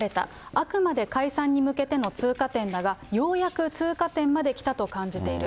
あくまで解散に向けての通過点だが、ようやく通過点まで来たと感じている。